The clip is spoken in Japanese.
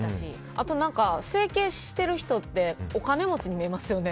あと、整形してる人ってお金持ちに見えますよね。